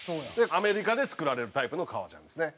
アメリカで作られるタイプの革ジャンですね。